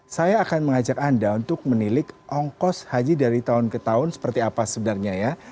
saya akan mengajak anda untuk menilik ongkos haji dari tahun ke tahun seperti apa sebenarnya ya